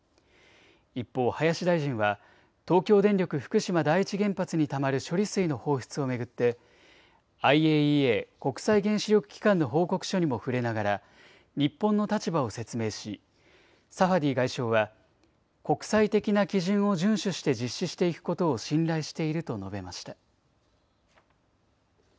一方、林大臣は東京電力福島第一原発にたまる処理水の放出を巡ってＩＡＥＡ・国際原子力機関の報告書にも触れながら日本の立場を説明しサファディ外相は国際的な基準を順守して実施していくことを信頼していると述べました。